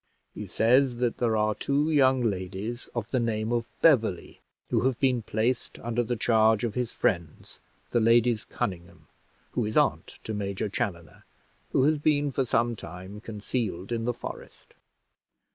He says that there are two young ladies of the name of Beverley, who have been placed under the charge of his friends, the Ladies Conynghame, who is aunt to Major Chaloner, who has been for some time concealed in the forest.